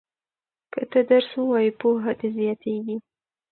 که ته درس ووایې پوهه دې زیاتیږي.